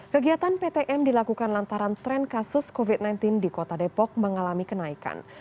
kegiatan ptm dilakukan lantaran tren kasus covid sembilan belas di kota depok mengalami kenaikan